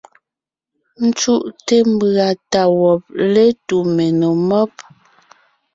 Ńcúʼte mbʉ̀a tá wɔb létu menò mɔ́b.